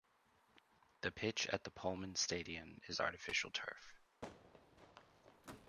The pitch at the Polman Stadion is artificial turf.